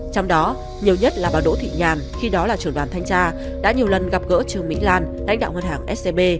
trong đó nhiều nhất là bà đỗ thị nhàn khi đó là trưởng đoàn thanh tra đã nhiều lần gặp gỡ trương mỹ lan lãnh đạo ngân hàng scb